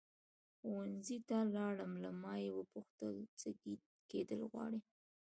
ښوونځي ته لاړم له ما یې وپوښتل څه کېدل غواړې.